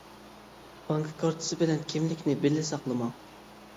بانكا كارتىسى بىلەن كىملىكنى بىللە ساقلىماڭ.